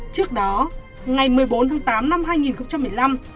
trước đó ngày một mươi bốn tháng tám năm hai nghìn một mươi năm